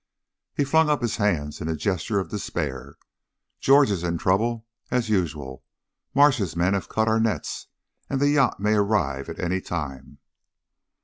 He flung up his hands in a gesture of despair. "George is in trouble, as usual. Marsh's men have cut our nets, and the yacht may arrive at any time."